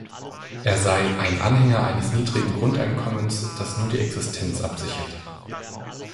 Er sei «ein Anhänger eines niedrigen Grundeinkommens, das nur die Existenz absichert.